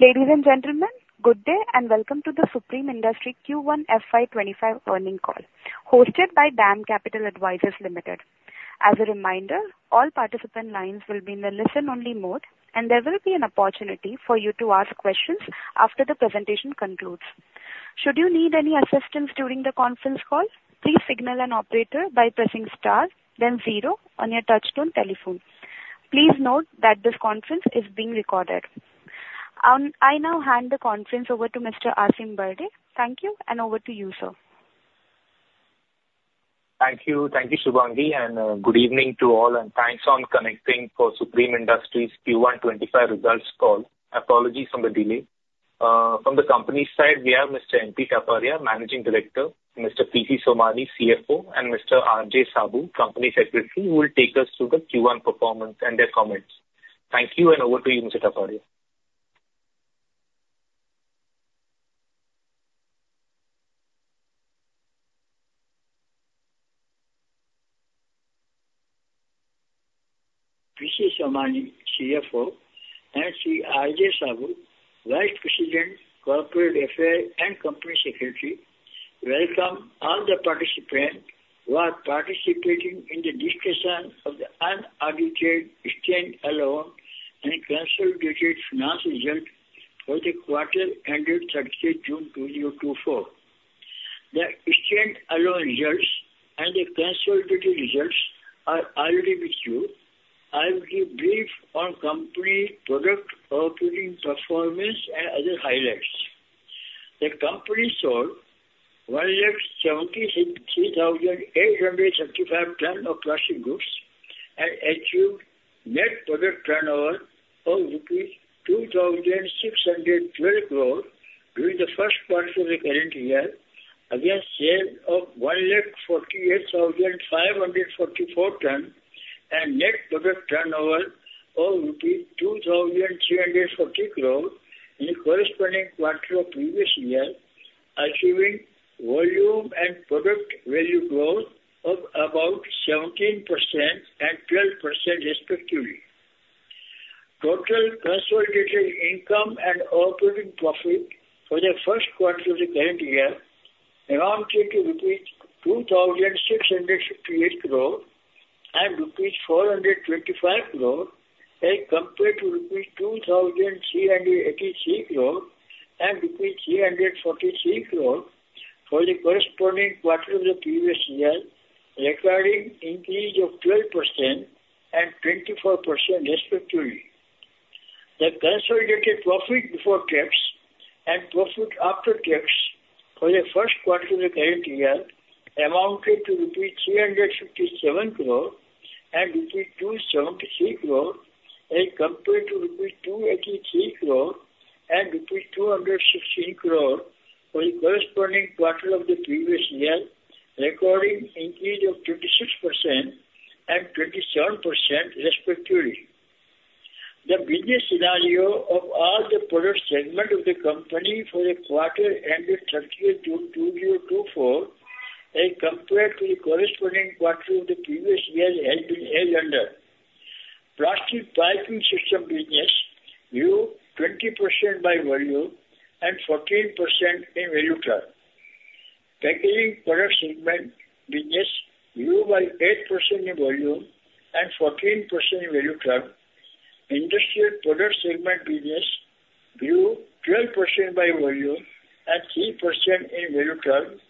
Ladies and gentlemen, good day, and welcome to The Supreme Industries Q1 FY25 earnings call, hosted by DAM Capital Advisors Limited. As a reminder, all participant lines will be in the listen-only mode, and there will be an opportunity for you to ask questions after the presentation concludes. Should you need any assistance during the conference call, please signal an operator by pressing star, then zero on your touchtone telephone. Please note that this conference is being recorded. I now hand the conference over to Mr. Aasim Bharde. Thank you, and over to you, sir. Thank you. Thank you, Shubhangi, and good evening to all, and thanks for connecting for Supreme Industries Q1 2025 results call. Apologies for the delay. From the company side, we have Mr. M. P. Taparia, Managing Director, Mr. P. C. Somani, CFO, and Mr. R. J. Saboo, Company Secretary, who will take us through the Q1 performance and their comments. Thank you, and over to you, Mr. Taparia. P.C. Somani, CFO, and Shri R.J. Saboo, Vice President, Corporate Affairs and Company Secretary, welcome all the participants who are participating in the discussion of the unaudited stand-alone and consolidated financial results for the quarter ended 30 June 2024. The stand-alone results and the consolidated results are already with you. I will give brief on company product operating performance and other highlights. The company sold 173,875 tons of plastic goods and achieved net product turnover of rupees 2,612 crore during the first quarter of the current year, against sales of 148,544 tons and net product turnover of rupees 2,340 crore in the corresponding quarter of previous year, achieving volume and product value growth of about 17% and 12%, respectively. Total consolidated income and operating profit for the first quarter of the current year amounted to INR 2,658 crore and INR 425 crore as compared to INR 2,383 crore and INR 343 crore for the corresponding quarter of the previous year, recording increase of 12% and 24%, respectively. The consolidated profit before tax and profit after tax for the first quarter of the current year amounted to rupees 357 crore and rupees 276 crore as compared to rupees 283 crore and rupees 216 crore for the corresponding quarter of the previous year, recording increase of 26% and 27%, respectively. The business scenario of all the product segment of the company for the quarter ended June 30, 2024, as compared to the corresponding quarter of the previous year, as under: Plastic Piping System business grew 20% by volume and 14% in value terms. Packaging Products segment business grew by 8% in volume and 14% in value terms. Industrial Products segment business grew 12% by volume and 3% in value terms.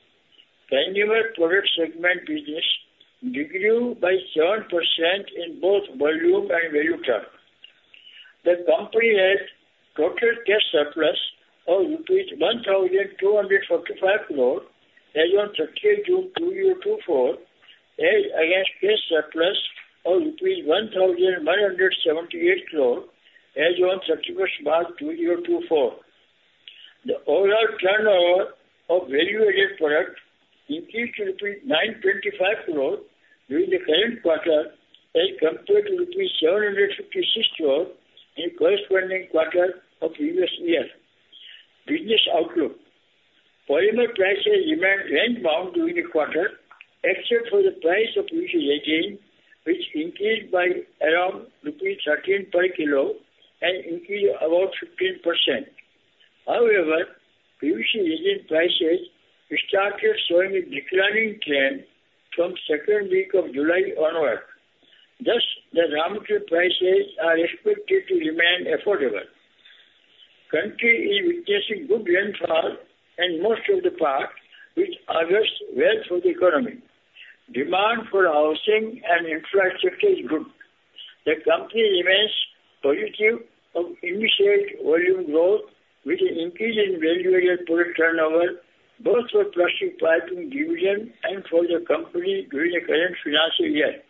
Furniture product segment business decreased by 7% in both volume and value terms. The company had total cash surplus of rupees 1,245 crore as on June 30, 2024, as against cash surplus of rupees 1,178 crore as on March 31, 2024. The overall turnover of value-added product increased to INR 925 crore during the current quarter as compared to INR 756 crore in corresponding quarter of previous year. Business outlook. Polymer prices remained inbound during the quarter, except for the price of PVC resin, which increased by around rupees 13 per kilo and increased about 15%. However, PVC resin prices started showing a declining trend from second week of July onward. Thus, the raw material prices are expected to remain affordable. The country is witnessing good rainfall in most of the part, which augurs well for the economy. Demand for housing and infrastructure is good. The company remains positive of initial volume growth with an increase in value-added product turnover, both for plastic piping division and for the company during the current financial year.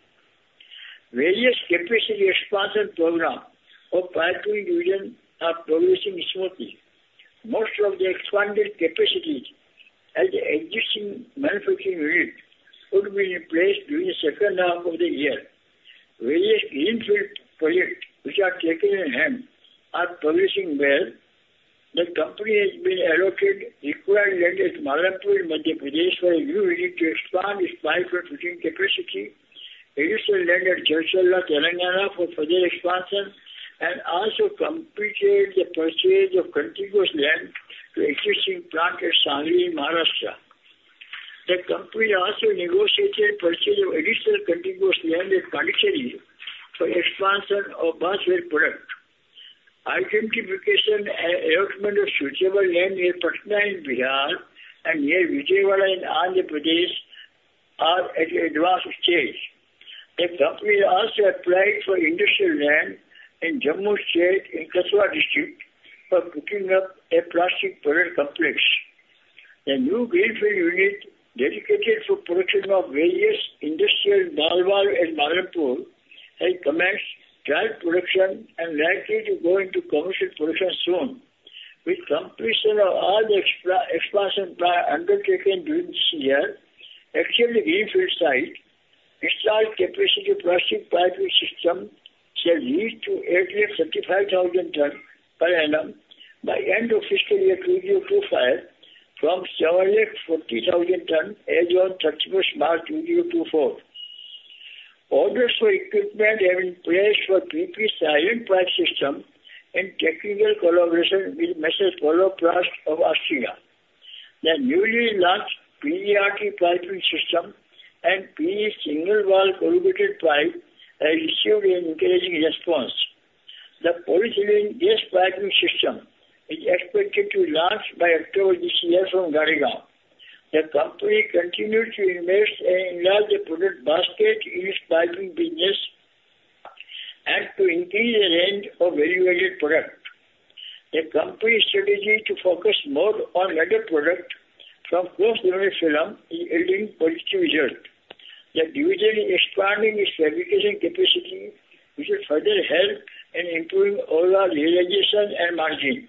Various capacity expansion program of piping division are progressing smoothly. Most of the expanded capacities at the existing manufacturing unit would be in place during the second half of the year. Various greenfield projects which are taken in hand are progressing well. The company has been allocated equivalent land at Malerkotla in Punjab for a new unit to expand its pipe fitting capacity, additional land at Jadcherla, Telangana for further expansion, and also completed the purchase of contiguous land to existing plant at Sangli, Maharashtra. The company also negotiated purchase of additional contiguous land at Kandivali for expansion of bathware product. Identification and allotment of suitable land in Patna, in Bihar, and near Vijayawada in Andhra Pradesh are at advanced stage. The company also applied for industrial land in Jammu, in Kathua district, for putting up a plastic product complex. A new greenfield unit dedicated for production of various industrial valves at Malerkotla has commenced trial production and likely to go into commercial production soon. With completion of all the expansion plan undertaken during this year, actually greenfield site, installed capacity plastic piping system shall lead to 835,000 tons per annum by end of fiscal year 2025, from 740,000 tons as on 31 March 2024. Orders for equipment are in place for PP silent pipe system and technical collaboration with M/s Poloplast of Austria. The newly launched PE-RT piping system and PE single wall corrugated pipe has received an encouraging response. The polyethylene gas piping system is expected to launch by October this year from Gadegaon. The company continued to invest and enlarge the product basket in its piping business and to increase the range of value-added product. The company's strategy to focus more on value-added product from cross-laminated film is yielding positive result. The division is expanding its fabrication capacity, which will further help in improving overall realization and margin.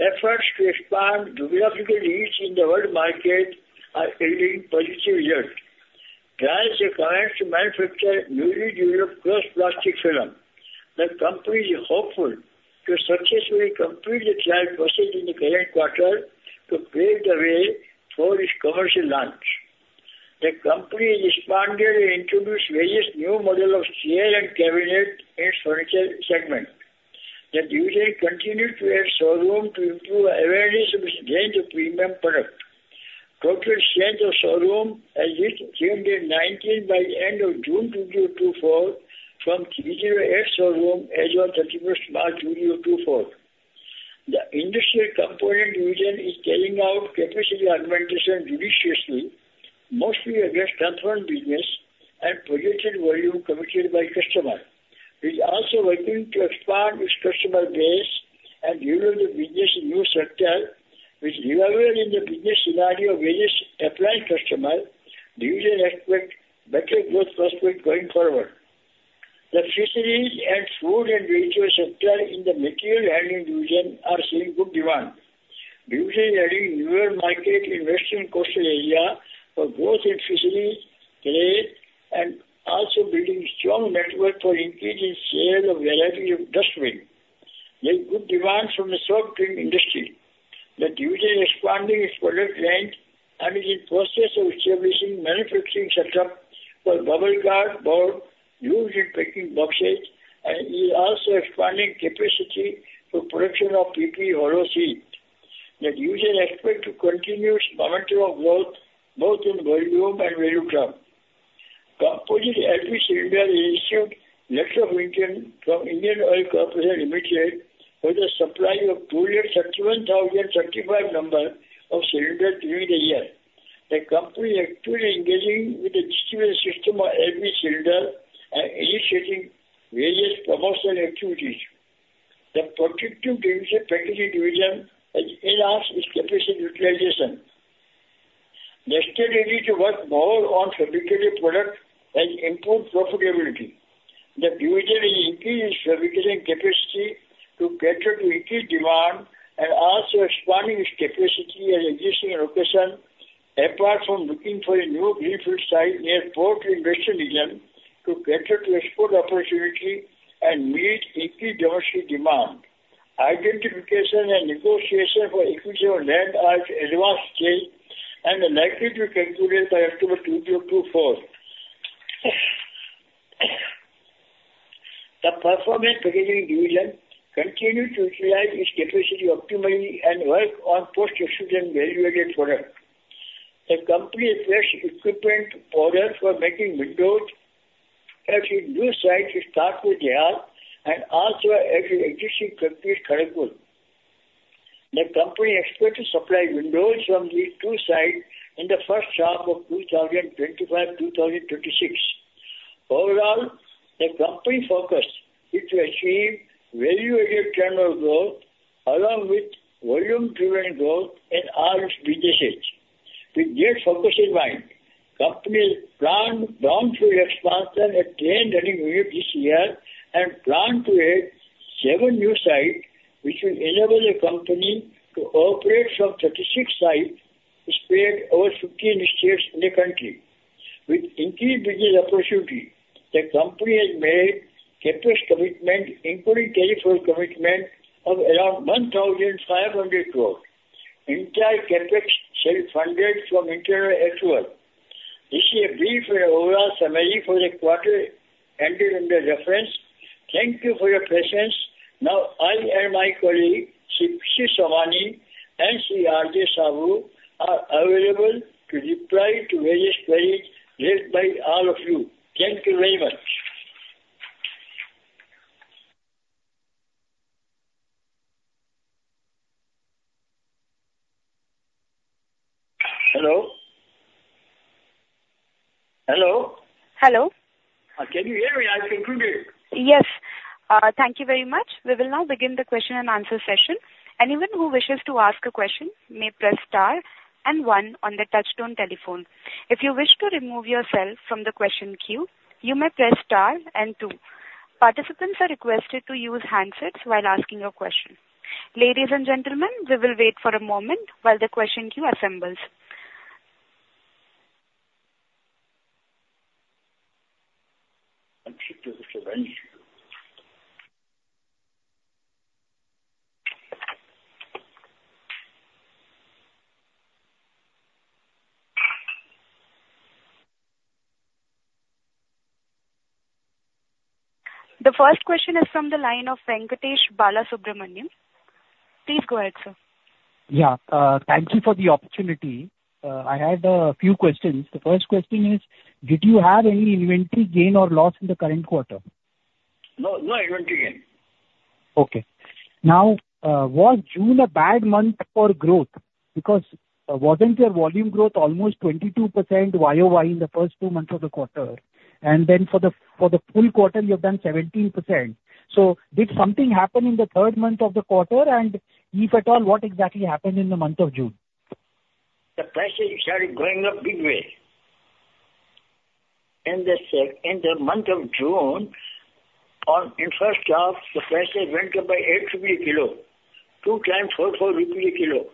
Efforts to expand geographical reach in the world market are yielding positive results. Trials have commenced to manufacture newly developed cross-laminated plastic film. The company is hopeful to successfully complete the trial process in the current quarter to pave the way for its commercial launch. The company has expanded and introduced various new model of chair and cabinet in furniture segment. The division continued to add showroom to improve awareness of its range of premium product. Total number of showrooms has reached 319 by the end of June 2024, from 308 showrooms as on 31st March 2024. The industrial components division is carrying out capacity augmentation judiciously, mostly against confirmed business and projected volume committed by customer. It is also working to expand its customer base and develop the business in new sector, which evaluating the business scenario of various applied customer, division expect better growth prospect going forward. The fisheries and food and retail sector in the material handling division are seeing good demand. Division adding newer market in western coastal area for growth in fisheries, trade, and also building strong network for increasing sale of variety of dustbin. There is good demand from the ice cream industry. The division is expanding its product range and is in process of establishing manufacturing setup for BubbleGUARD board used in packing boxes, and is also expanding capacity for production of PP hollow sheet. The division expect to continue its momentum of growth, both in volume and value term. Composite LPG cylinder has received letter of intent from Indian Oil Corporation Limited for the supply of 231,035 number of cylinder during the year. The company is actively engaging with the distribution system of LPG cylinder and initiating various promotional activities. The Protective Packaging Division has enhanced its capacity utilization. Stands ready to work more on fabricated product and improve profitability. The division is increasing its fabrication capacity to cater to increased demand and also expanding its capacity at existing location, apart from looking for a new greenfield site near port industrial region to cater to export opportunity and meet increased domestic demand. Identification and negotiation for acquisition of land are at advanced stage and are likely to be concluded by October 2024. The performance packaging division continued to utilize its capacity optimally and work on post-decision value-added product. The company placed equipment order for making windows at a new site to start with Dhatav, and also at an existing factory at Kharagpur. The company expect to supply windows from these two sites in the first half of 2025, 2026. Overall, the company focus is to achieve value-added channel growth along with volume-driven growth in all its businesses. With this focus in mind, company plans to expand at 10 running units this year and plans to add 7 new sites, which will enable the company to operate from 36 sites.... spread over 15 states in the country. With increased business opportunity, the company has made CapEx commitment, including term loan commitment, of around INR 1,500 crores. Entire CapEx shall be funded from internal funds. This is a brief and overall summary for the quarter ended in the reference. Thank you for your presence. Now, I and my colleague, Shri P. C. Somani and Shri R. J. Saboo, are available to reply to various queries raised by all of you. Thank you very much. Hello? Hello. Hello. Can you hear me? I've concluded. Yes. Thank you very much. We will now begin the question and answer session. Anyone who wishes to ask a question may press star and one on the touchtone telephone. If you wish to remove yourself from the question queue, you may press star and two. Participants are requested to use handsets while asking your question. Ladies and gentlemen, we will wait for a moment while the question queue assembles. Thank you. The first question is from the line of Venkatesh Balasubramanian. Please go ahead, sir. Yeah, thank you for the opportunity. I had a few questions. The first question is: did you have any inventory gain or loss in the current quarter? No, no inventory gain. Okay. Now, was June a bad month for growth? Because wasn't your volume growth almost 22% YOY in the first two months of the quarter, and then for the full quarter, you've done 17%. So did something happen in the third month of the quarter? And if at all, what exactly happened in the month of June? The prices started going up big way. In the month of June, in first half, the prices went up by 8 rupees a kilo, two times, 4 rupees a kilo.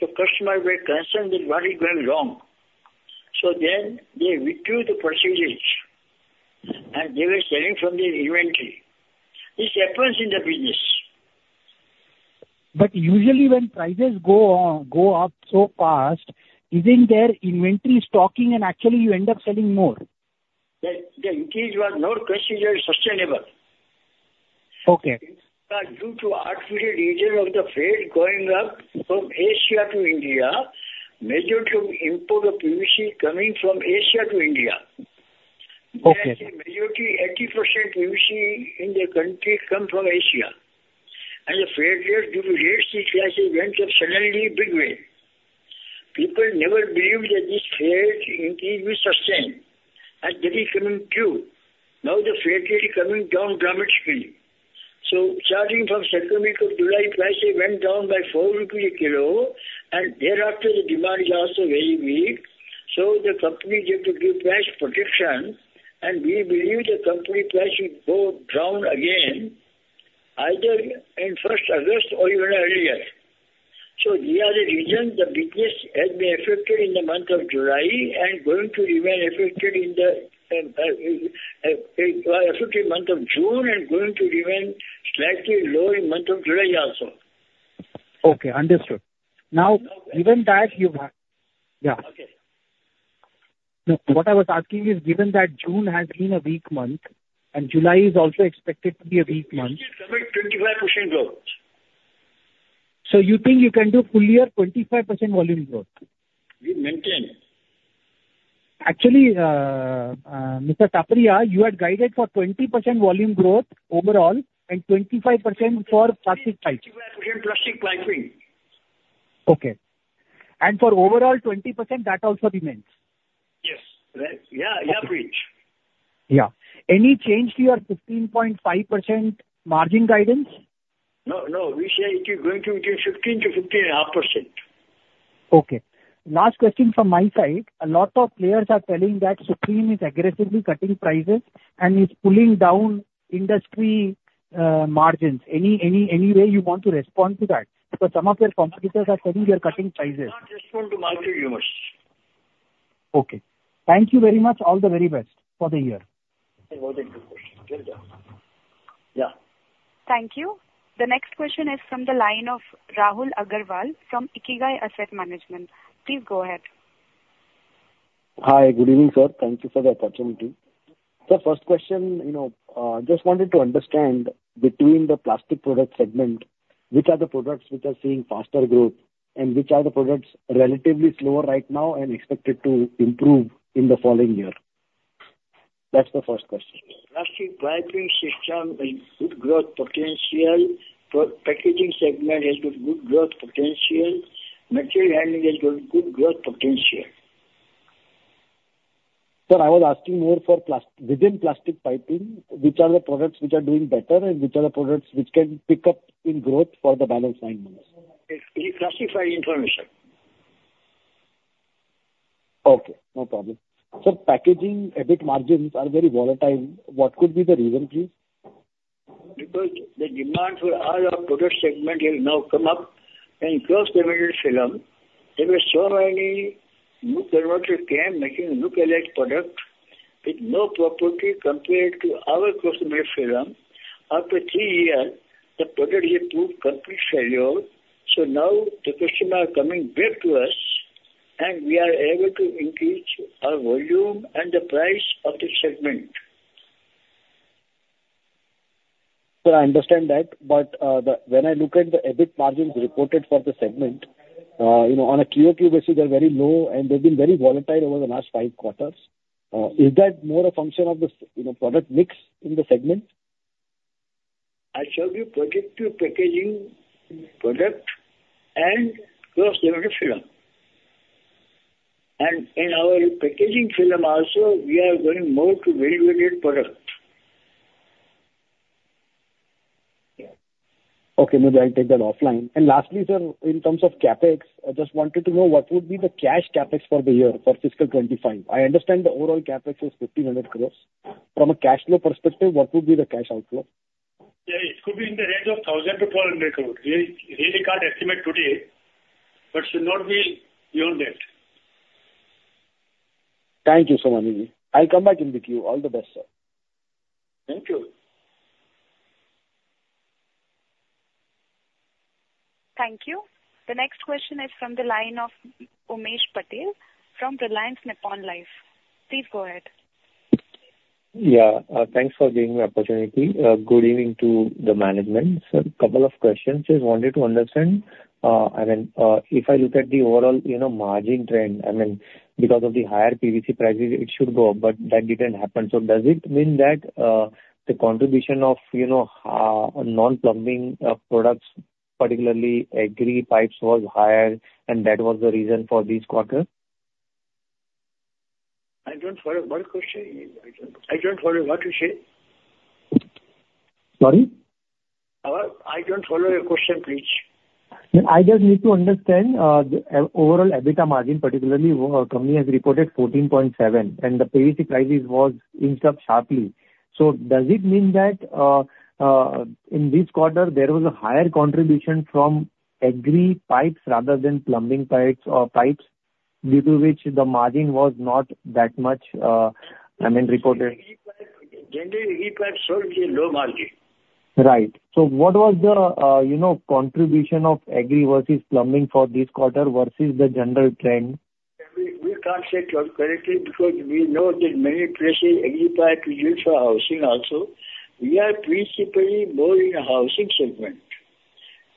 So customers were concerned that what is going wrong. So then they withdrew the purchases, and they were selling from their inventory. This happens in the business. But usually when prices go on, go up so fast, isn't there inventory stocking and actually you end up selling more? The increase was not considered sustainable. Okay. Due to artificial reason of the freight going up from Asia to India, majority of imports of PVC coming from Asia to India. Okay. As the majority, 80% PVC in the country come from Asia, and the freight rate due to rates, the prices went up suddenly big way. People never believed that this freight increase will sustain, and that is coming true. Now the freight rate is coming down dramatically. So starting from second week of July, prices went down by 4 rupees a kilo, and thereafter the demand is also very weak, so the company had to give price protection, and we believe the company price will go down again, either in first August or even earlier. So these are the reasons the business has been affected in the month of July and going to remain affected in the, affected month of June and going to remain slightly lower in month of July also. Okay, understood. Now, given that you've.... Yeah. Okay. No, what I was asking is, given that June has been a weak month, and July is also expected to be a weak month- We still commit 25% growth. You think you can do full year, 25% volume growth? We maintain. Actually, Mr. Taparia, you had guided for 20% volume growth overall and 25% for plastic pipe. 25% plastic piping. Okay. And for overall 20%, that also remains? Yes, right. Yeah, yeah, we reach. Yeah. Any change to your 15.5% margin guidance? No, no, we say it is going to be between 15%-15.5%. Okay. Last question from my side. A lot of players are telling that Supreme is aggressively cutting prices and is pulling down industry margins. Any way you want to respond to that? Because some of your competitors are saying you're cutting prices. It's not reasonable to market rumors. Okay. Thank you very much. All the very best for the year. It was a good question. Well done. Yeah. Thank you. The next question is from the line of Rahul Agarwal from InCred Asset Management. Please go ahead. Hi, good evening, sir. Thank you for the opportunity. The first question, you know, just wanted to understand between the plastic product segment, which are the products which are seeing faster growth and which are the products relatively slower right now and expected to improve in the following year? That's the first question. Plastic Piping System has good growth potential. Packaging segment has got good growth potential. Material Handling has got good growth potential. Sir, I was asking more for plastic piping. Within plastic piping, which are the products which are doing better and which are the products which can pick up in growth for the balance nine months? It's a classified information. Okay, no problem. Sir, packaging, EBIT margins are very volatile. What could be the reason, please?... Because the demand for all our product segments will now come up, and cross-laminated film, there were so many new competitors came making look-alike products with no properties compared to our cross-laminated film. After three years, the product is a complete failure, so now the customers are coming back to us, and we are able to increase our volume and the price of the segment. Sir, I understand that, but when I look at the EBIT margins reported for the segment, you know, on a QOQ basis, they're very low, and they've been very volatile over the last five quarters. Is that more a function of the, you know, product mix in the segment? I showed you protective packaging product and cross-laminated film. In our packaging film also, we are going more to value-added product. Okay, maybe I'll take that offline. Lastly, sir, in terms of CapEx, I just wanted to know what would be the cash CapEx for the year, for fiscal 2025. I understand the overall CapEx is 1,500 crore. From a cash flow perspective, what would be the cash outflow? Yeah, it could be in the range of 1,000 crore-1,200 crore. We, we really can't estimate today, but should not be beyond that. Thank you so much, Somani ji. I'll come back in the queue. All the best, sir. Thank you. Thank you. The next question is from the line of Umesh Patil from Reliance Nippon Life. Please go ahead. Yeah, thanks for giving me the opportunity. Good evening to the management. So couple of questions, just wanted to understand, I mean, if I look at the overall, you know, margin trend, I mean, because of the higher PVC prices, it should go up, but that didn't happen. So does it mean that, the contribution of, you know, non-plumbing, products, particularly agri pipes, was higher, and that was the reason for this quarter? I don't follow. What question is... I don't follow. What you say? Sorry? I don't follow your question, please. I just need to understand the overall EBITDA margin, particularly our company has reported 14.7%, and the PVC prices was inched up sharply. So does it mean that in this quarter, there was a higher contribution from agri pipes rather than plumbing pipes or pipes, due to which the margin was not that much, I mean, reported? Generally, agri pipes are low margin. Right. So what was the, you know, contribution of agri versus plumbing for this quarter versus the general trend? We can't say correctly, because we know that many places, agri pipe is used for housing also. We are principally more in the housing segment.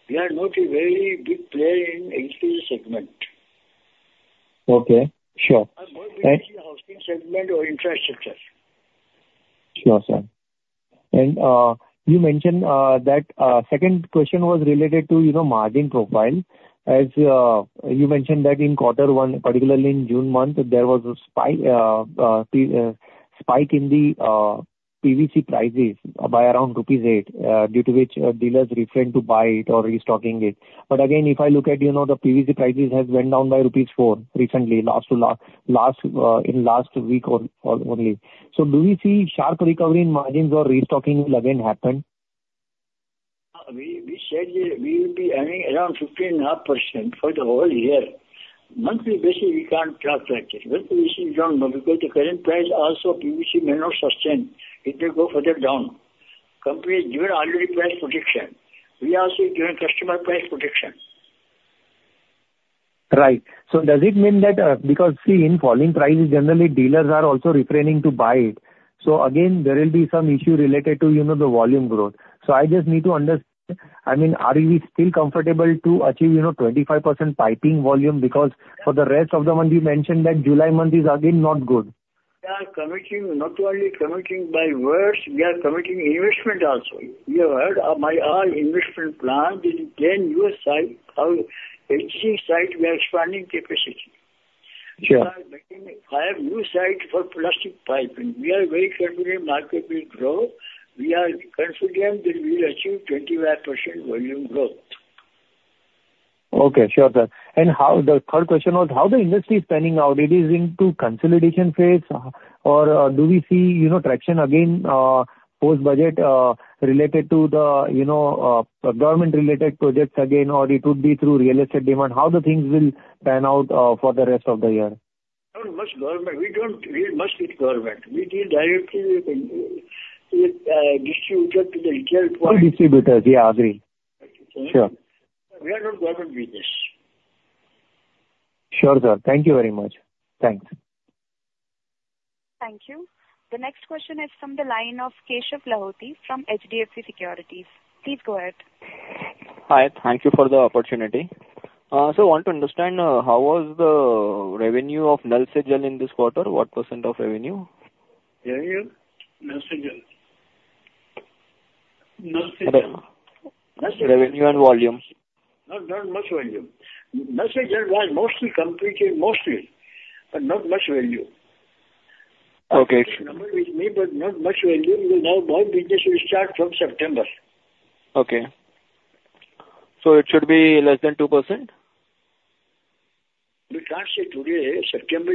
We are not a very big player in the agri segment. Okay. Sure. And more in the housing segment or infrastructure. Sure, sir. You mentioned that the second question was related to, you know, margin profile. As you mentioned that in quarter one, particularly in June month, there was a spike in the PVC prices by around rupees 8 due to which dealers refrain to buy it or restocking it. But again, if I look at, you know, the PVC prices has went down by rupees 4 recently, in the last two weeks or so only. So do we see sharp recovery in margins or restocking will again happen? We said that we will be earning around 15.5% for the whole year. Monthly basis, we can't talk like this, monthly we see down, because the current price also, PVC may not sustain, it will go further down. Company is giving already price protection. We are also giving customer price protection. Right. So does it mean that, because, see, in falling prices, generally, dealers are also refraining to buy it. So again, there will be some issue related to, you know, the volume growth. So I just need to understand, I mean, are we still comfortable to achieve, you know, 25% piping volume? Because for the rest of the month, you mentioned that July month is again not good. We are committing, not only committing by words, we are committing investment also. You have heard of my all investment plan in 10 new site, our HC site, we are expanding capacity. Sure. We are making 5 new sites for plastic piping. We are very confident market will grow. We are confident that we will achieve 25% volume growth. Okay, sure, sir. The third question was, how the industry is planning out? It is into consolidation phase, or do we see, you know, traction again post-budget related to the, you know, government-related projects again, or it would be through real estate demand? How the things will pan out for the rest of the year? Not much government. We don't. We must need government. We deal directly with distributor to the retail point. Distributors. Yeah, agree. Okay. Sure. We are not government business. Sure, sir. Thank you very much. Thanks. Thank you. The next question is from the line of Keshav Lahoti from HDFC Securities. Please go ahead. Hi, thank you for the opportunity. So, want to understand how was the revenue of Nal Se Jal in this quarter? What % of revenue? Jal. Nal Se Jal. Revenue and volumes. Not, not much volume. Nal Se Jal was mostly completed, mostly, but not much value. Okay. With me, but not much value. Now, more business will start from September. Okay. So it should be less than 2%?... We can't say today, September,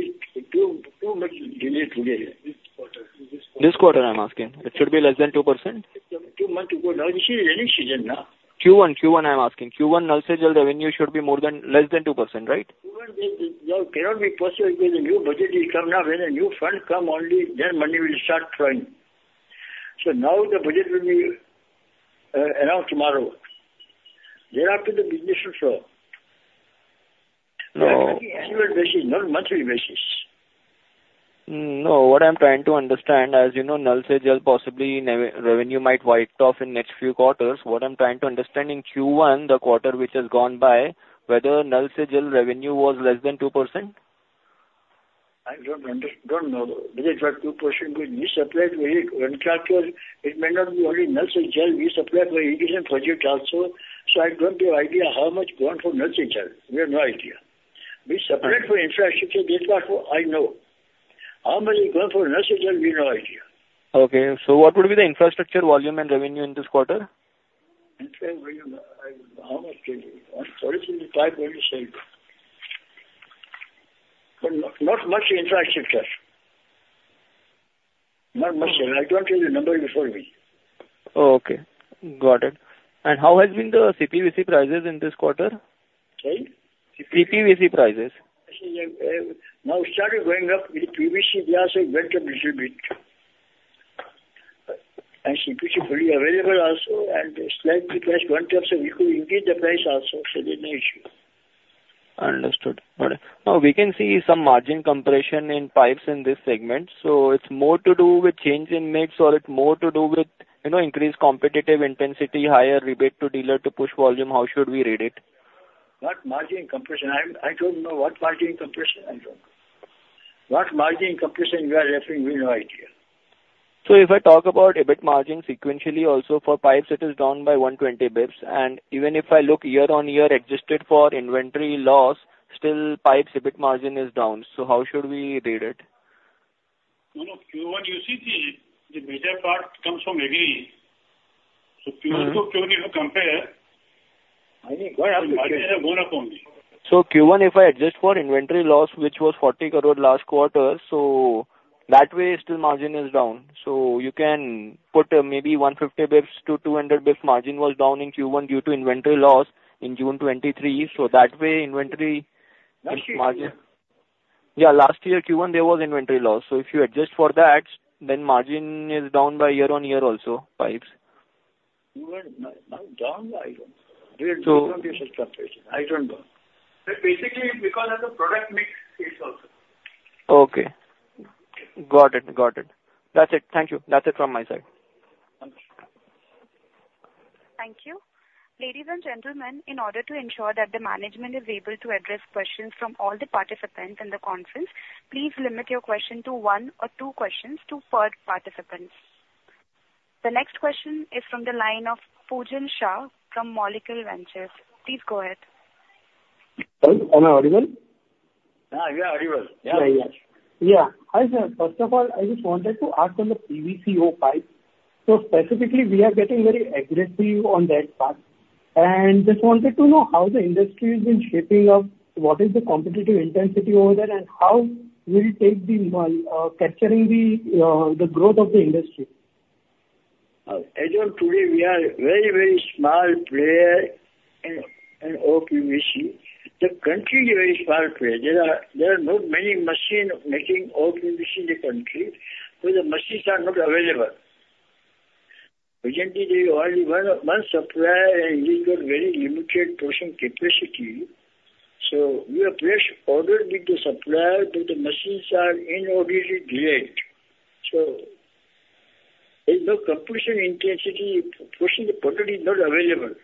too, too much delay today, this quarter. This quarter, I'm asking. It should be less than 2%? Too much to go, now this is rainy season, now. Q1, Q1 I'm asking. Q1, non-segmental the revenue should be more than-- less than 2%, right? Q1, it now cannot be possible because the new budget will come now. When a new fund come, only then money will start flowing. So now the budget will be announced tomorrow. Thereafter, the business will flow. No- Annual basis, not monthly basis. No, what I'm trying to understand, as you know, Nal Se Jal possibly in revenue might be wiped off in next few quarters. What I'm trying to understand, in Q1, the quarter which has gone by, whether Nal Se Jal revenue was less than 2%? I don't know. Because 2%, we supplied very contractual. It may not be only Nal Se Jal. We supplied for Indian budget also, so I don't know idea how much gone for Nal Se Jal. We have no idea. We supplied for infrastructure, this part I know. How much is gone for Nal Se Jal, we have no idea. Okay, so what would be the infrastructure volume and revenue in this quarter? Infrastructure volume, how much is it? On policy, the pipe will be the same. But not, not much infrastructure. Not much, and I don't have the number before me. Oh, okay. Got it. And how has been the CPVC prices in this quarter? Sorry? CPVC prices. Now started going up. The PVC, we also went up little bit. And CPVC pretty available also, and slightly price going up, so we could increase the price also, so there's no issue. Understood. Got it. Now, we can see some margin compression in pipes in this segment, so it's more to do with change in mix, or it's more to do with, you know, increased competitive intensity, higher rebate to dealer to push volume? How should we read it? What margin compression? I don't know what margin compression. I don't. What margin compression you are referring, we have no idea. So if I talk about EBIT margin sequentially, also for pipes, it is down by 120 basis points. And even if I look year-on-year, adjusted for inventory loss, still pipes EBIT margin is down. So how should we read it? No, no, Q1. You see, the major part comes from agri. So Q1 to Q2, you compare- I think what happened- Margins are more or less only. So Q1, if I adjust for inventory loss, which was 40 crore last quarter, so that way, still margin is down. So you can put maybe 150 basis to 200 basis margin was down in Q1 due to inventory loss in June 2023. So that way, inventory margin- Last year. Yeah, last year, Q1, there was inventory loss. So if you adjust for that, then margin is down year-on-year also, pipes. Even now, I don't... We don't get such information. I don't know. But basically, because of the product mix, it's also. Okay. Got it. Got it. That's it. Thank you. That's it from my side. Thank you. Thank you. Ladies and gentlemen, in order to ensure that the management is able to address questions from all the participants in the conference, please limit your questions to one or two questions per participant. The next question is from the line of Pujan Shah from Molecule Ventures. Please go ahead. Hello, am I audible? Yeah, you are audible. Yeah. Hi, sir, first of all, I just wanted to ask on the PVC-O pipe. So specifically, we are getting very aggressively on that part, and just wanted to know how the industry has been shaping up, what is the competitive intensity over there, and how will it take capturing the growth of the industry? As of today, we are very, very small player in OPVC. The country is a very small player. There are not many machines making OPVC in the country, so the machines are not available. Presently, there is only one supplier and he's got very limited production capacity. So we have placed order with the supplier, but the machines are inordinately delayed. So there's no competitive intensity, first the product is not available.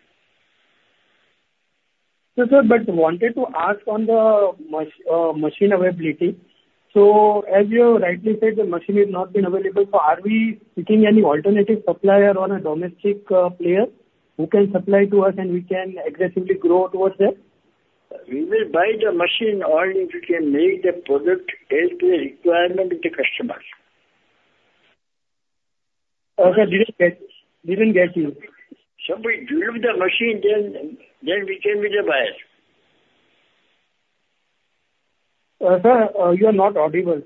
No, sir, but wanted to ask on the machine availability. So as you have rightly said, the machine has not been available, so are we seeking any alternative supplier or a domestic player who can supply to us and we can aggressively grow towards that? We will buy the machine only if we can make the product as per requirement of the customers. Sir, didn't get you. We develop the machine, then, then we can be the buyer. Sir, you are not audible.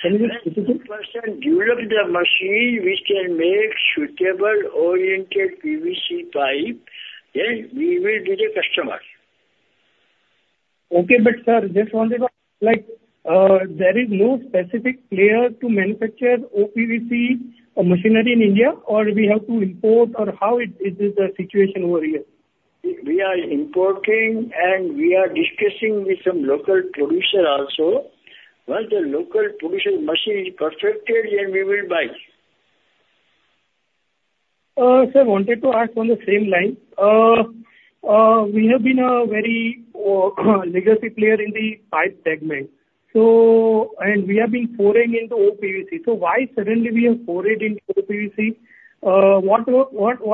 Can you please repeat? Person develop the machine, which can make suitable oriented PVC pipe, then we will be the customer. Okay, but sir, just wanted to, like, there is no specific player to manufacture OPVC machinery in India, or we have to import, or how it is the situation over here? We are importing, and we are discussing with some local producer also. Once the local producer machine is perfected, then we will buy. Sir, wanted to ask on the same line. We have been a very legacy player in the pipe segment, so... And we have been pouring into OPVC. So why suddenly we have poured into OPVC? What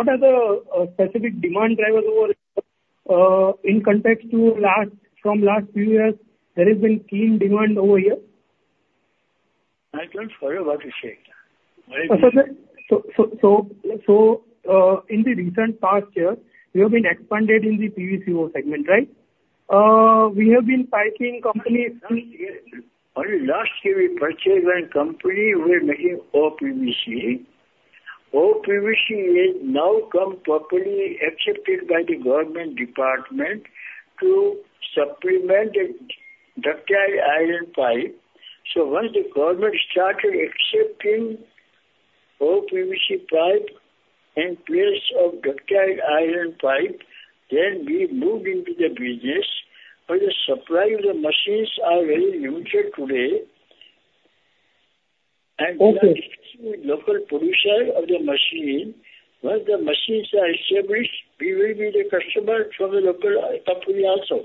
are the specific demand drivers over here in context to last, from last few years, there has been keen demand over here?... for your question. In the recent past year, you have been expanded in the PVC-O segment, right? We have been piping company- Only last year, we purchased one company who were making OPVC. OPVC is now come properly accepted by the government department to supplement the ductile iron pipe. So once the government started accepting OPVC pipe in place of ductile iron pipe, then we moved into the business. But the supply of the machines are very limited today. Okay. Local producer of the machine. Once the machines are established, we will be the customer from the local company also.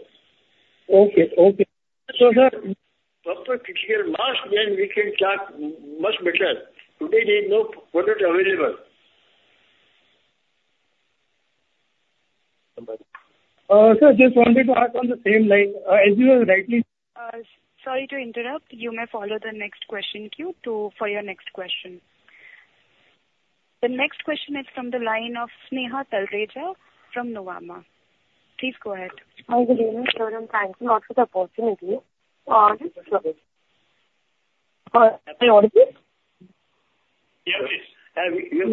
Okay, okay. So, sir- Proper critical mass, then we can talk much better. Today, there is no product available. Sir, just wanted to ask on the same line, as you were rightly- Sorry to interrupt. You may follow the next question queue to... for your next question. The next question is from the line of Sneha Talreja from Nuvama. Please go ahead. Hi, good evening, sir, and thanks a lot for the opportunity. Yeah, please. You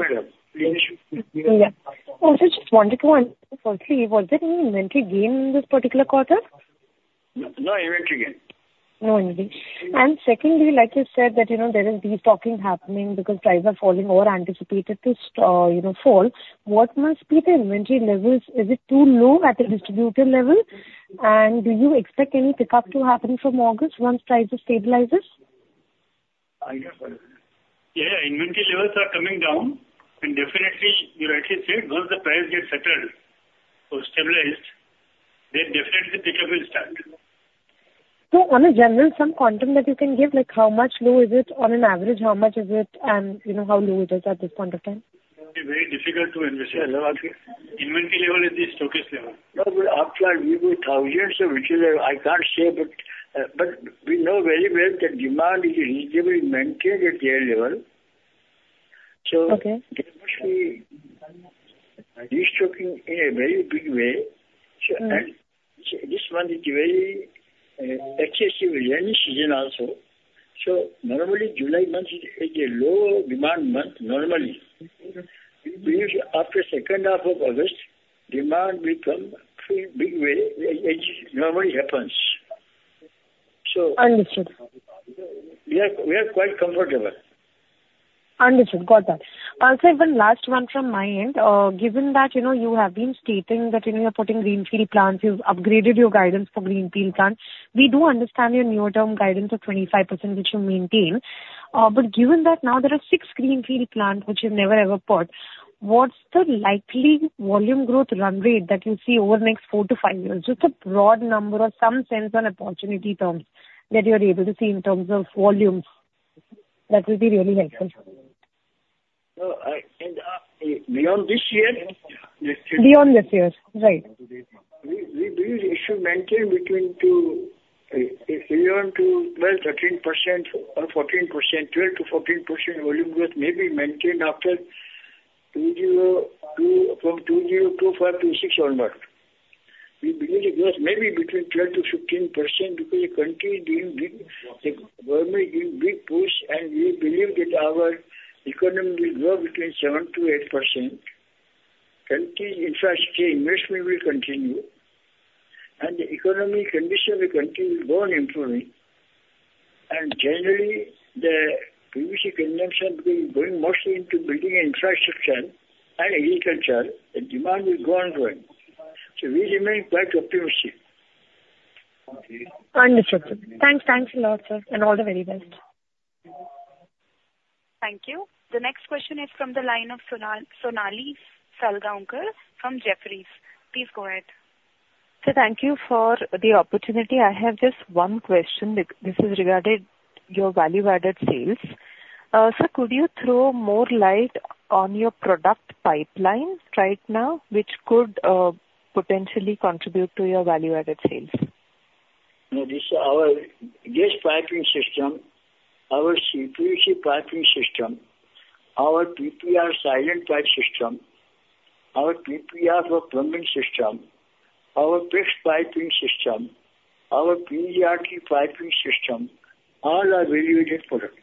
may- Yeah. Yeah, you may. Yeah. I also just wanted to ask, firstly, was there any inventory gain this particular quarter? No inventory gain. No inventory. And secondly, like you said, that, you know, there is destocking happening because prices are falling or anticipated to, you know, fall. What must be the inventory levels? Is it too low at a distributor level? And do you expect any pickup to happen from August once price stabilizes? Yeah, yeah, inventory levels are coming down, and definitely, you rightly said, once the price gets settled or stabilized, then definitely the pickup will start. In general, some quantum that you can give, like, how much lower is it on average, how much is it, and you know, how low it is at this point in time? It's very difficult to invest. Inventory level is the showcase level. No, but after giving thousands of which I can't say, but we know very well that demand is reasonably maintained at their level. Okay. There must be destocking in a very big way. Mm. So, and so this month is very, excessive rainy season also. So normally, July month is a low demand month, normally. Mm-hmm. Usually after second half of August, demand become free big way, as normally happens. So- Understood. We are quite comfortable. Understood. Got that. Sir, one last one from my end. Given that, you know, you have been stating that, you know, you're putting Greenfield plants, you've upgraded your guidance for Greenfield plants. We do understand your near-term guidance of 25%, which you maintain, but given that now there are six Greenfield plants, which you've never ever put, what's the likely volume growth run rate that you'll see over the next four to five years? Just a broad number or some sense on opportunity terms that you're able to see in terms of volumes. That will be really helpful. So I, and, beyond this year? Beyond this year, right. We, we should maintain between 2 to, beyond 2 to 12, 13% or 14%, 12-14% volume growth may be maintained after 2022, from 2022 to 2026 onward. We believe the growth may be between 12-15% because the country is giving big, the government is giving big push, and we believe that our economy will grow between 7-8%. Country infrastructure investment will continue, and the economy condition of the country will go on improving. And generally, the PVC consumption will going mostly into building infrastructure and agriculture. The demand will go on growing. So we remain quite optimistic. Understood, sir. Thanks. Thanks a lot, sir, and all the very best. Thank you. The next question is from the line of Sonali Salgaocar from Jefferies. Please go ahead. Sir, thank you for the opportunity. I have just one question. This, this is regarding your value-added sales. Sir, could you throw more light on your product pipeline right now, which could potentially contribute to your value-added sales? No, this, our gas piping system, our CPVC piping system, our PP-R silent pipe system, our PP-R for plumbing system, our press piping system, our P-ERT piping system, all are value-added products.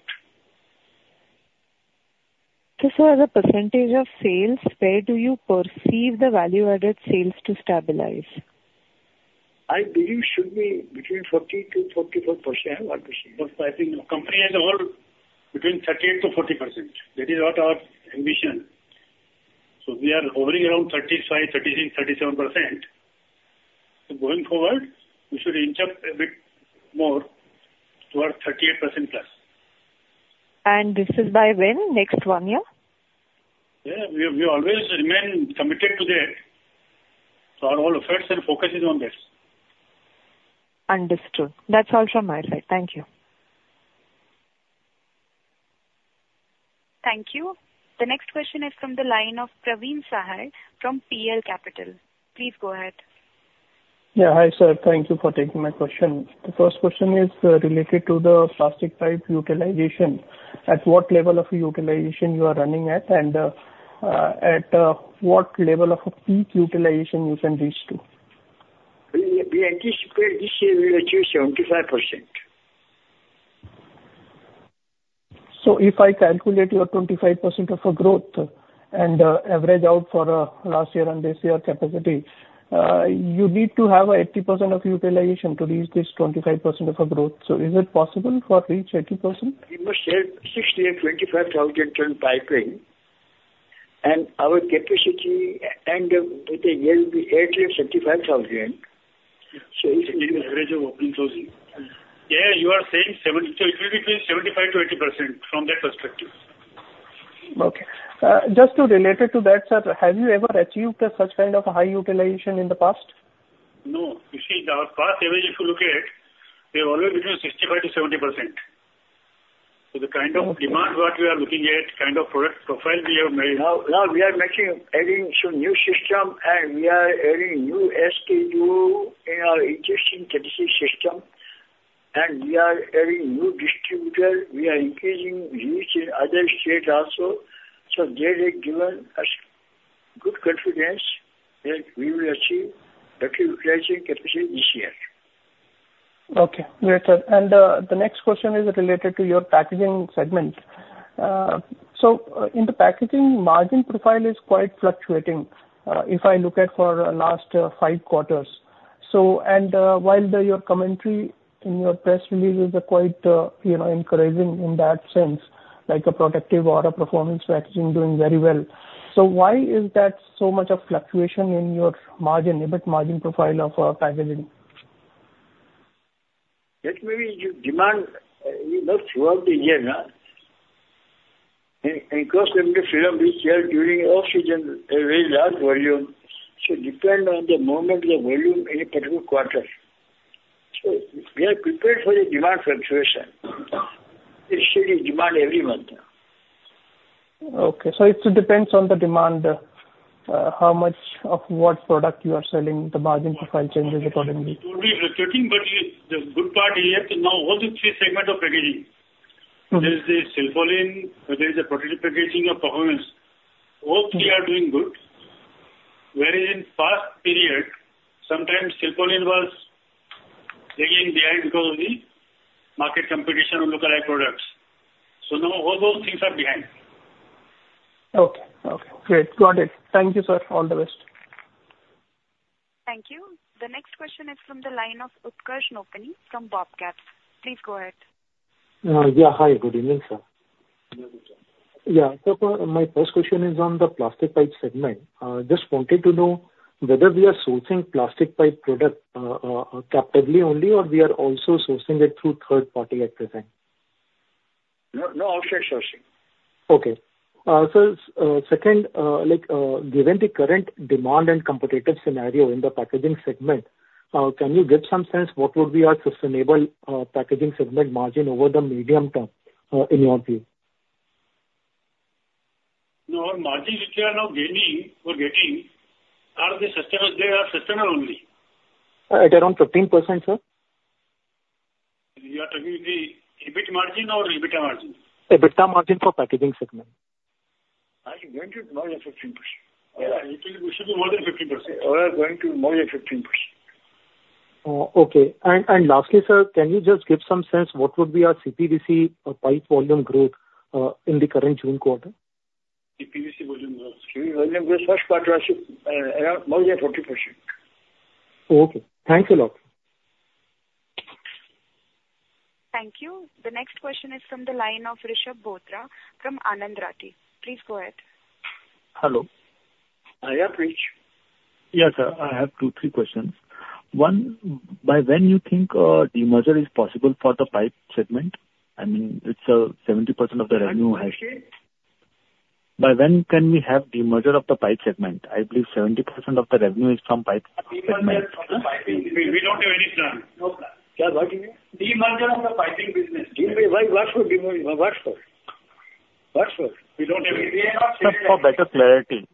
Sir, as a percentage of sales, where do you perceive the value-added sales to stabilize? I believe should be between 40%-44%. I think company has evolved between 38%-40%. That is not our ambition. So we are hovering around 35%, 36%, 37%. So going forward, we should inch up a bit more towards 38%+. This is by when? Next one year? Yeah, we always remain committed to that. So our whole efforts and focus is on this. Understood. That's all from my side. Thank you.... Thank you. The next question is from the line of Praveen Sahay from PL Capital. Please go ahead. Yeah, hi, sir. Thank you for taking my question. The first question is related to the plastic pipe utilization. At what level of utilization you are running at, and at what level of peak utilization you can reach to? We anticipate this year we will achieve 75%. So if I calculate your 25% of a growth and average out for last year and this year capacity, you need to have a 80% of utilization to reach this 25% of a growth. So is it possible to reach 80%? We must sell 68, 25,000 ton piping, and our capacity at end of the year will be 85,000. It's an average of opening, closing. Yeah, you are saying 70, so it will be between 75%-80% from that perspective. Okay. Just to relate to that, sir, have you ever achieved such kind of high utilization in the past? No. You see, our past average, if you look at, they are always between 65%-70%. So the kind of demand what we are looking at, kind of product profile we have made- Now we are making, adding some new system, and we are adding new SKU in our existing 36 system, and we are adding new distributor. We are increasing reach in other state also, so they have given us good confidence that we will achieve better utilization capacity this year. Okay, great, sir. And, the next question is related to your packaging segment. So, in the packaging, margin profile is quite fluctuating, if I look at for last, five quarters. So, and, while the, your commentary in your press release is quite, you know, encouraging in that sense, like a protective or a performance packaging doing very well. So why is that so much of fluctuation in your margin, EBIT margin profile of, packaging? That may be due to demand, you know, throughout the year, nah? In cross film, which year during off season, a very large volume, so depend on the moment, the volume in a particular quarter. So we are prepared for the demand fluctuation. It's changing demand every month. Okay, so it depends on the demand, how much of what product you are selling, the margin profile changes accordingly. Will be fluctuating, but the good part is that now all the three segments of packaging. Okay. There is the Silpaulin, there is a protective packaging of performance. All three are doing good. Whereas in past period, sometimes Silpaulin was lagging behind because of the market competition on localized products. So now all those things are behind. Okay. Okay, great. Got it. Thank you, sir. All the best. Thank you. The next question is from the line of Utkarsh Nopany from BOBCAPS. Please go ahead. Yeah. Hi, good evening, sir. Yeah, good evening. Yeah. So my first question is on the plastic pipe segment. Just wanted to know whether we are sourcing plastic pipe product, captively only, or we are also sourcing it through third party at present? No, no outside sourcing. Okay. So, second, like, given the current demand and competitive scenario in the packaging segment, can you give some sense what would be our sustainable packaging segment margin over the medium term, in your view? No, our margin which we are now gaining or getting are the sustainable. They are sustainable only. At around 15%, sir? You are talking the EBIT margin or EBITDA margin? EBITDA margin for packaging segment. I think going to more than 15%. Yeah, it should be more than 15%. Or going to more than 15%. Okay. And lastly, sir, can you just give some sense what would be our CPVC or pipe volume growth in the current June quarter? The PVC volume growth. PVC volume, the first quarter was, around more than 40%. Okay. Thanks a lot. Thank you. The next question is from the line of Rishab Bothra from Anand Rathi. Please go ahead. Hello. Yeah, Rishab. Yeah, sir. I have two, three questions. One, by when you think demerger is possible for the pipe segment? I mean, it's 70% of the revenue has- Pardon me? By when can we have demerger of the pipe segment? I believe 70% of the revenue is from pipe segment. We don't have any plan. No plan. Yeah, what you mean? Demerger of the piping business. Demerger, why? What for? Demerger? What for? What for? We don't have any... For better clarity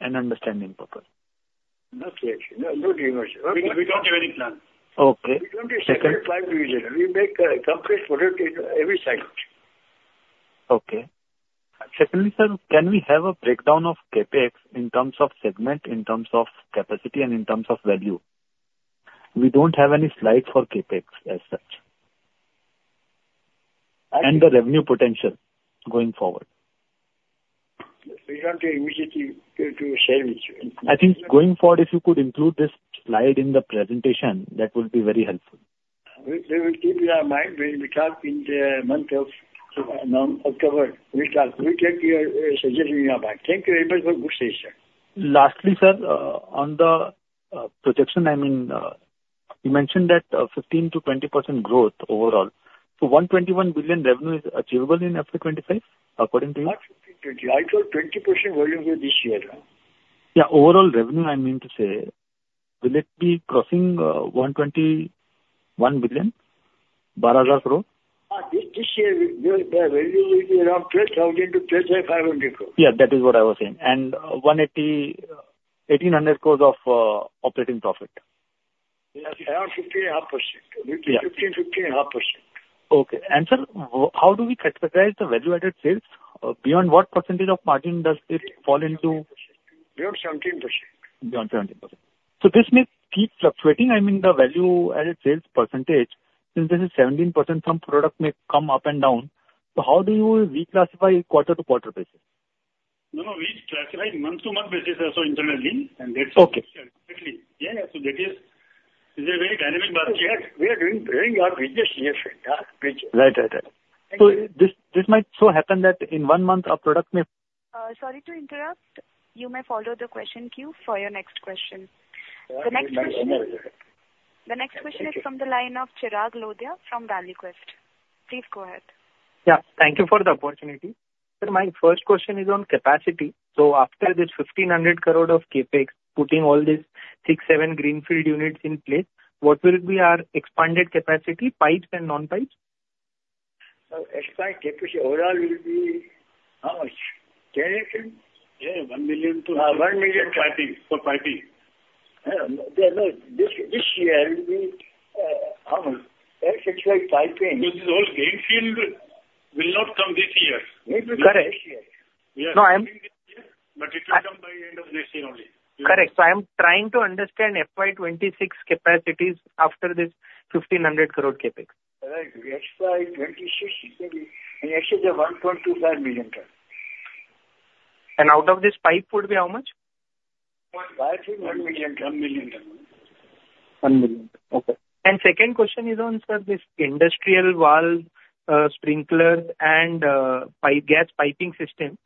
and understanding purpose. No clarity. No, no demerger. We don't have any plan. Okay. We don't sell pipe only, we make complete product in every segment. Okay. Secondly, sir, can we have a breakdown of CapEx in terms of segment, in terms of capacity, and in terms of value? We don't have any slide for CapEx as such. And the revenue potential going forward. We don't have immediately to share with you. I think going forward, if you could include this slide in the presentation, that would be very helpful. We, we will keep in our mind when we talk in the month of October. We'll talk. We take your suggestion in our mind. Thank you very much for good suggestion. Lastly, sir, on the projection, I mean, you mentioned that 15%-20% growth overall. So 121 billion revenue is achievable in FY 2025, according to you? I thought 20% volume growth this year, huh?... Yeah, overall revenue, I mean to say, will it be crossing INR 121 billion? INR 12,000 crore. This year, the revenue will be around 12,000 crore-12,500 crore. Yeah, that is what I was saying. And, 180 crores, 1,800 crores of operating profit. Yes, around 15.5%. Yeah. Between 15% and 15.5%. Okay. And sir, how do we characterize the value-added sales? Beyond what percentage of margin does it fall into? Beyond 17%. Beyond 17%. So this may keep fluctuating, I mean, the value-added sales percentage, since this is 17%, some product may come up and down. So how do you reclassify quarter to quarter basis? No, no, we classify month to month basis also internally, and that's- Okay. Exactly. Yeah, so that is, it's a very dynamic market. We are doing our business here, yeah, business. Right, right, right. Thank you. This might so happen that in one month, our product may- Sorry to interrupt. You may follow the question queue for your next question. Yeah, okay. The next question, the next question is from the line of Chirag Lodha from ValueQuest. Please go ahead. Yeah, thank you for the opportunity. Sir, my first question is on capacity. So after this 1,500 crore of CapEx, putting all these 6, 7 greenfield units in place, what will be our expanded capacity, pipes and non-pipes? Expanded capacity overall will be how much? Jayant? Yeah, 1 million to- 1 million. to piping, for piping. No, this year it will be, how much? It's like piping. Because all greenfield will not come this year. It will correct. Correct. This year. No, I'm- But it will come by end of next year only. Correct. So I am trying to understand FY 2026 capacities after this 1,500 crore CapEx. Right. FY 2026, I think it's 1.25 million ton. Out of this, pipe would be how much? Pipe, 1 million ton, 1 million ton. 1 million ton. Okay. Second question is on, sir, this industrial valve, sprinklers and pipe gas piping system.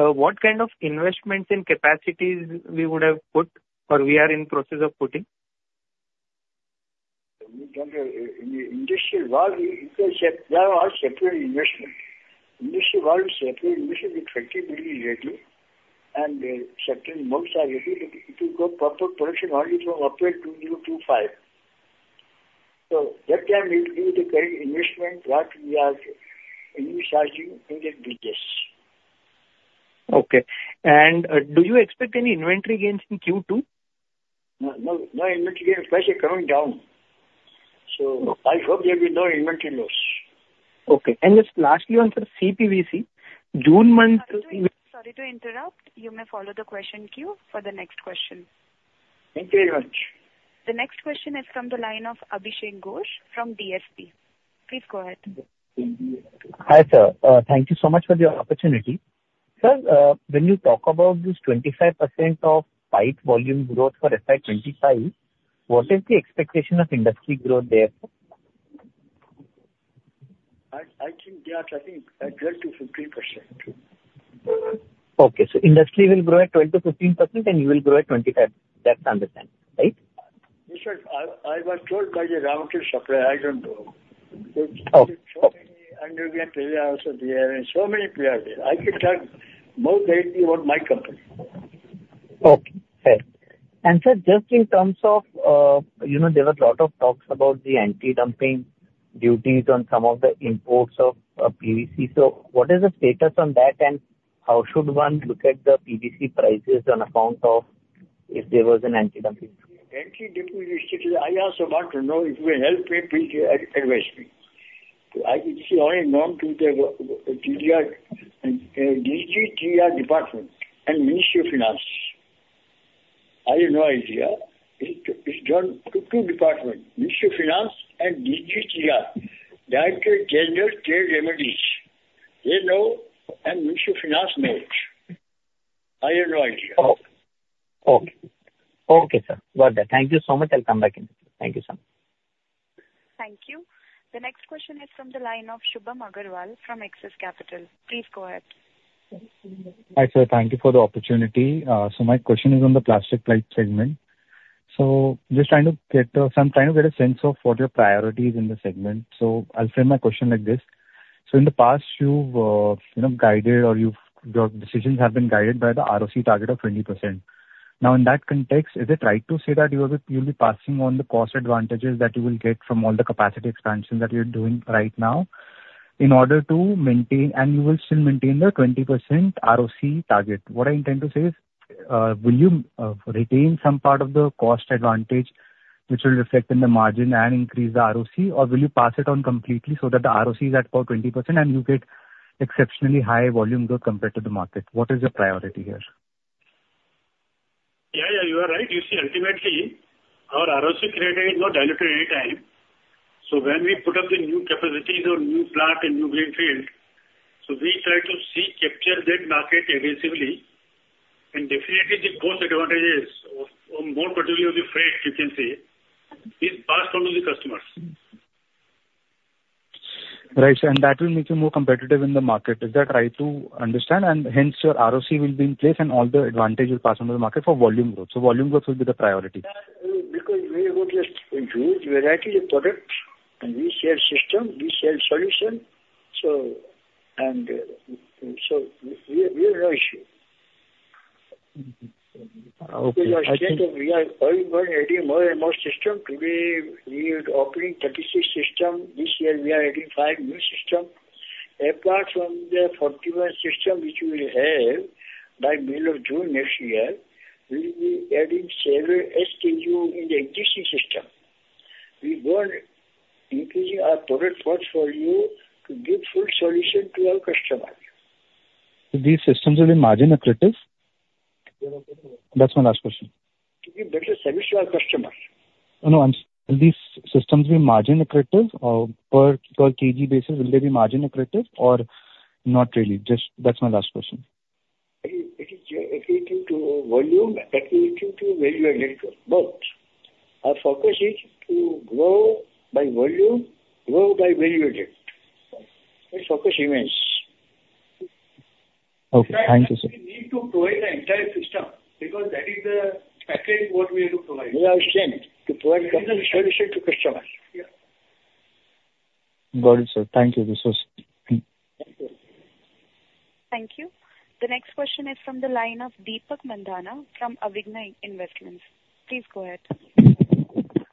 What kind of investments and capacities we would have put or we are in process of putting? In the industrial valves, they are all separate investments. Industrial valves separate investment is INR 50 million lately, and certain months are ready, it will go proper production only from April 2025. So that time we will do the current investment, what we are initializing in the business. Okay. And, do you expect any inventory gains in Q2? No, no, no inventory gains, prices are coming down. So I hope there will be no inventory loss. Okay. Just lastly, on the CPVC, June month- Sorry to interrupt. You may follow the question queue for the next question. Thank you very much. The next question is from the line of Abhishek Ghosh from DSP. Please go ahead. Hi, sir. Thank you so much for the opportunity. Sir, when you talk about this 25% of pipe volume growth for FY 2025, what is the expectation of industry growth there? I think they are tracking at 12%-15%. Okay. So industry will grow at 12%-15%, and you will grow at 25%. That's my understanding, right? Yes, sir. I was told by the raw material supplier, I don't know. Oh, okay. So many and also there, and so many players there. I can talk more greatly about my company. Okay. And sir, just in terms of, you know, there were a lot of talks about the anti-dumping duties on some of the imports of PVC. So what is the status on that, and how should one look at the PVC prices on account of if there was an anti-dumping? Anti-dumping, I also want to know if you will help me. Please advise me. I think it's only known to the DGTR department and Ministry of Finance. I have no idea. It's done by two departments, Ministry of Finance and DGTR, Directorate General of Trade Remedies. They know, and Ministry of Finance knows. I have no idea. Okay. Okay. Okay, sir. Got that. Thank you so much. I'll come back in. Thank you, sir. Thank you. The next question is from the line of Shubham Aggarwal from Axis Capital. Please go ahead. Hi, sir. Thank you for the opportunity. So my question is on the plastic pipe segment. So just trying to get, I'm trying to get a sense of what your priority is in the segment. So I'll frame my question like this: So in the past, you've, you know, guided or you've, your decisions have been guided by the ROC target of 20%. Now, in that context, is it right to say that you will be, you'll be passing on the cost advantages that you will get from all the capacity expansion that you're doing right now, in order to maintain... and you will still maintain the 20% ROC target? What I intend to say is, will you retain some part of the cost advantage which will reflect in the margin and increase the ROC, or will you pass it on completely so that the ROC is at, for 20% and you get exceptionally high volume growth compared to the market? What is your priority here? Yeah, yeah, you are right. You see, ultimately, our ROC rate is not diluted any time. So when we put up the new capacities or new plant and new greenfield, so we try to see, capture that market aggressively, and definitely the cost advantages, or more particularly the freight, you can say, is passed on to the customers. Right. That will make you more competitive in the market. Is that right to understand? Hence, your ROC will be in place, and all the advantage will pass on to the market for volume growth. Volume growth will be the priority.... We have got a huge variety of products, and we sell system, we sell solution. So, so we have no issue. Mm-hmm. Okay. We are adding more and more system. Today, we are opening 36 system. This year, we are adding five new system. Apart from the 41 system which we have, by middle of June next year, we will be adding several SKU in the existing system. We go on increasing our product portfolio to give full solution to our customers. These systems will be margin accretive? That's my last question. To give better service to our customers. No, will these systems be margin accretive or per kg basis, will they be margin accretive or not really? Just, that's my last question. It is accretive to volume, accretive to value added, but our focus is to grow by volume, grow by value added. That focus remains. Okay, thank you, sir. We need to provide the entire system because that is the package what we have to provide. We have strength to provide complete solution to customers. Yeah. Got it, sir. Thank you. This was... Thank you. Thank you. The next question is from the line of Deepak Mandhana from Avigna Investments. Please go ahead.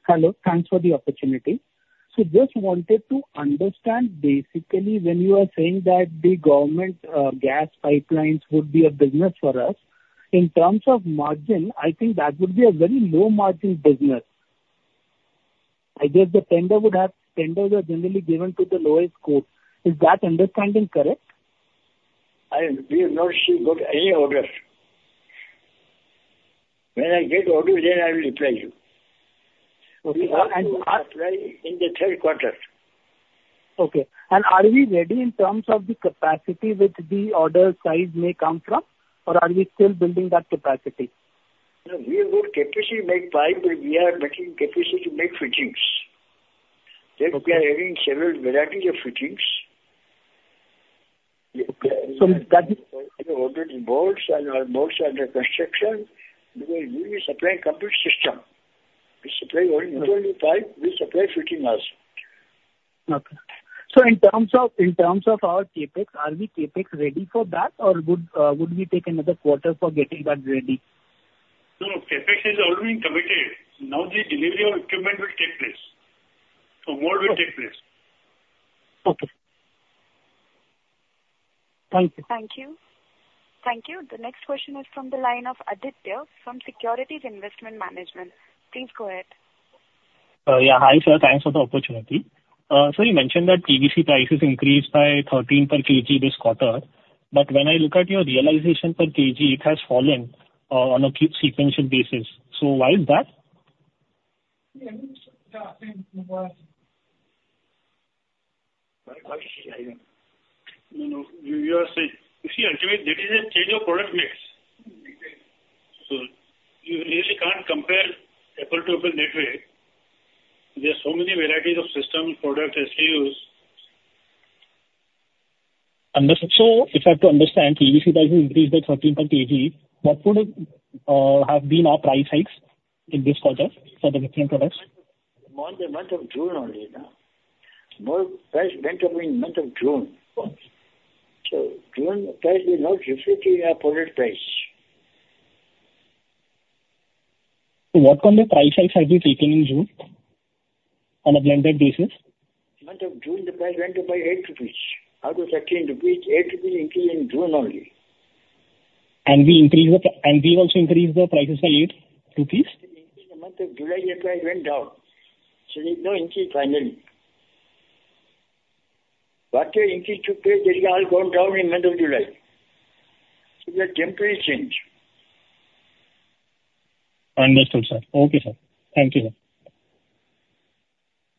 Hello. Thanks for the opportunity. So just wanted to understand, basically, when you are saying that the government gas pipelines would be a business for us, in terms of margin, I think that would be a very low margin business. I guess the tender would have, tenders are generally given to the lowest quote. Is that understanding correct? We have not received or got any order. When I get order, then I will reply you. Okay, and- We have to apply in the third quarter. Okay. Are we ready in terms of the capacity which the order size may come from, or are we still building that capacity? No, we have got capacity to make pipe, but we are making capacity to make fittings. Okay. That we are adding several varieties of fittings. Okay, so that- Orders, valves and our valves are under construction because we will be supplying complete system. We supply only pipe, we supply fittings also. Okay. So in terms of, in terms of our CapEx, are we CapEx ready for that, or would, would we take another quarter for getting that ready? No, CapEx has already been committed. Now the delivery of equipment will take place. So work will take place. Okay. Thank you. Thank you. Thank you. The next question is from the line of Aditya from Securities Investment Management. Please go ahead. Yeah, hi, sir. Thanks for the opportunity. So you mentioned that PVC prices increased by 13 per kg this quarter, but when I look at your realization per kg, it has fallen, on a sequential basis. So why is that? Yeah, I think... No, no, you are saying. You see, actually, there is a change of product mix. Exactly. So you really can't compare apples to apples that way. There are so many varieties of system, product, SKUs. Understood. So if I have to understand, PVC prices increased by 13 per kg, what would it have been our price hikes in this quarter for the different products? On the month of June only, no? The price went up in month of June. So June price will not reflect in our product price. What would the price hikes have been taken in June on a blended basis? Month of June, the price went up by INR 8, out of INR 13. INR 8 increased in June only. And we also increased the prices by 8 rupees? In the month of July, the price went down, so there's no increase finally. Whatever increase took place, it has all gone down in the month of July. So a temporary change. Understood, sir. Okay, sir. Thank you, sir.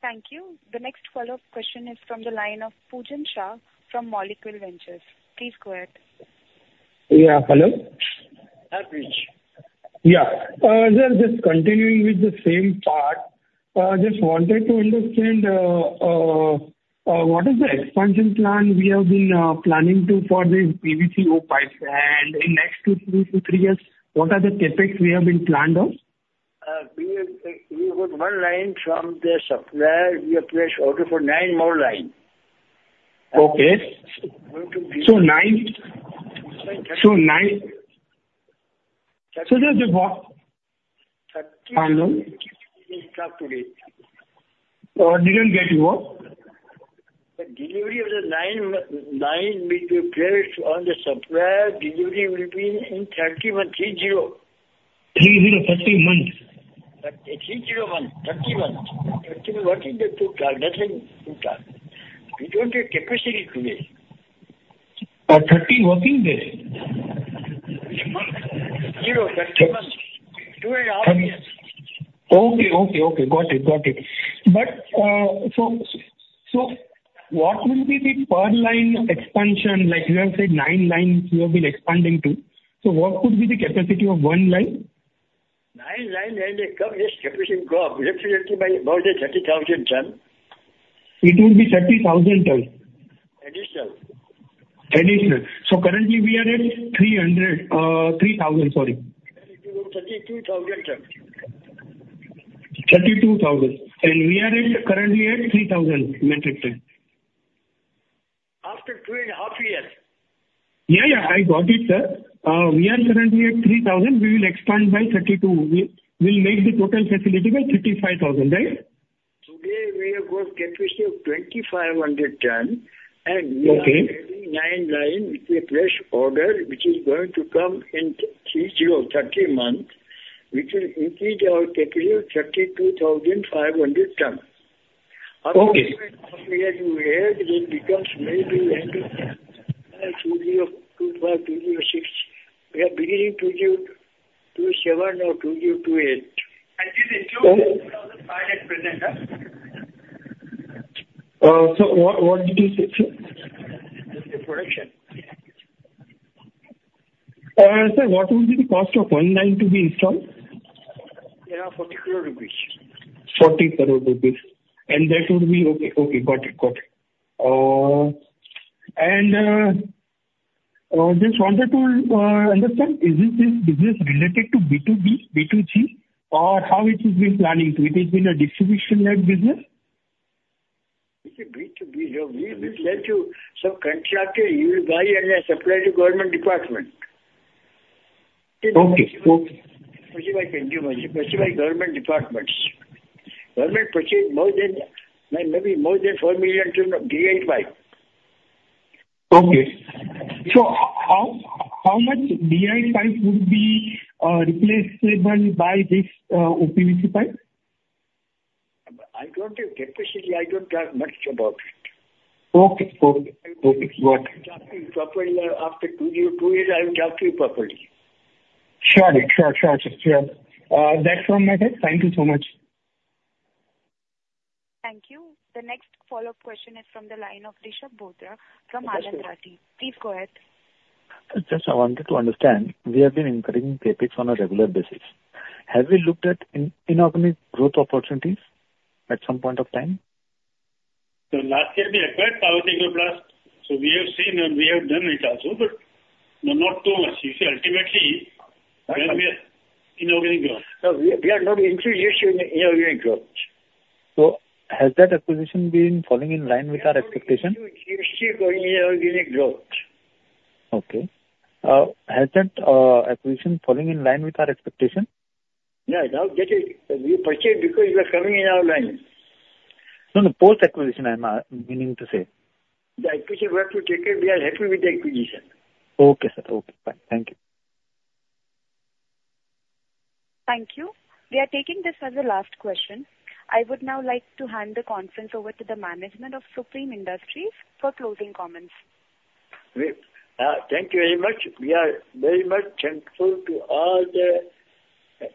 Thank you. The next follow-up question is from the line of Pujan Shah from Molecule Ventures. Please go ahead. Yeah, hello? Yeah, Pujan. Yeah. Sir, just continuing with the same part, just wanted to understand what is the expansion plan we have been planning to for the PVC-O pipes, and in next two to three years, what are the CapEx we have been planned on? We have, we got one line from the supplier. We have placed order for nine more line. Okay. Going to be- So, nine? So just what- Thirty. Hello? We'll talk today. Didn't get you what? The delivery of the nine lines which we placed on the supplier. Delivery will be in 30 months, 30. 30, 30 months? 30, 30 months, 30 months. 30, what is the total? Nothing to count. We don't get capacity today. 30 working days? 0, 30 months. 2 years, R&D. Okay, okay, okay. Got it. Got it. But, so, so what will be the per line expansion? Like you have said, nine lines you have been expanding to. So what could be the capacity of one line? Inline and the capacity can go roughly by about 30,000 tons. It will be 30,000 tons?... Anything. So currently we are at 300, 3,000, sorry. INR 32,000, sir. 32,000, and we are currently at 3,000 metric ton. After two and a half years. Yeah, yeah, I got it, sir. We are currently at 3,000. We will expand by 32. We, we'll make the total facility by 35,000, right? Today, we have got capacity of 2,500 tons, and- Okay. We are getting 9 lines with a fresh order, which is going to come in 30-30 months, which will increase our capacity to 32,500 tons. Okay. After year to year, it becomes maybe ending 2025, 2026. We are beginning 2027 or 2028. This includes 2,500 tons. So what, what did you say, sir? The production. Sir, what will be the cost of one line to be installed? Yeah, 40 crore rupees. 40 crore rupees. That would be okay. Okay, got it, got it. And just wanted to understand, is this business related to B2B, B2C, or how it is being planning to? It is in a distribution-led business? It's a B2B. We will let you, so contractor, he will buy and then supply to government department. Okay. Okay. Purchased by government departments. Government purchased more than, maybe more than 4 million tons of DI pipe. Okay. So how much DI pipe would be replaceable by this OPVC pipe? I don't have capacity. I don't know much about it. Okay. Cool. Okay, got it. Talk to you properly after 202 years, I will talk to you properly. Sure, sure, sure, sure. That's all, Mehta. Thank you so much. Thank you. The next followr-up question is from the line of Rishab Bothra from Anand Rathi. Please go ahead. Just, I wanted to understand, we have been incurring CapEx on a regular basis. Have we looked at inorganic growth opportunities at some point of time? Last year we acquired Parvati Agro Plast, so we have seen and we have done it also, but not too much. You see, ultimately, we are in organic growth. We are not interested in inorganic growth. Has that acquisition been falling in line with our expectation? It's still growing inorganic growth. Okay. Has that acquisition falling in line with our expectation? Yeah, now, that is, we purchased because we are coming in online. No, no, post-acquisition, I'm meaning to say. The acquisition we have to take it. We are happy with the acquisition. Okay, sir. Okay, fine. Thank you. Thank you. We are taking this as the last question. I would now like to hand the conference over to the management of Supreme Industries for closing comments. We thank you very much. We are very much thankful to all the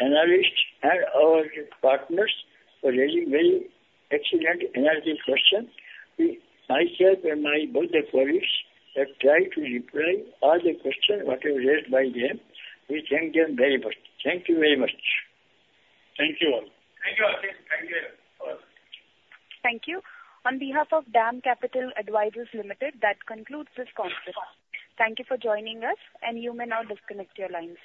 analysts and our partners for raising very excellent, energetic question. We, myself and my both the colleagues have tried to reply all the question, whatever raised by them. We thank them very much. Thank you very much. Thank you all. Thank you all. Thank you. Thank you. On behalf of DAM Capital Advisors Limited, that concludes this conference. Thank you for joining us, and you may now disconnect your lines.